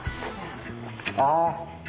あぁ。